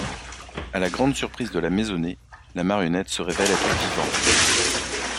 À la grande surprise de la maisonnée, la marionnette se révèle être vivante.